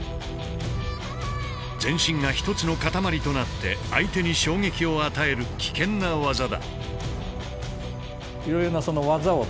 全身がひとつの塊となって相手に衝撃を与える危険な技だ。